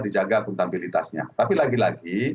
dijaga akuntabilitasnya tapi lagi lagi